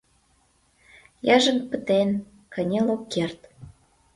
Йыжыҥ пытен, кынел ок керт.